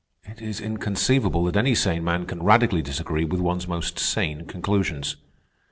It is inconceivable that any sane man can radically disagree with one's most sane conclusions.